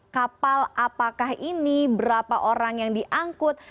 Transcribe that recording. kapal apakah ini berapa orang yang diangkut